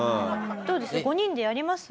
どうです？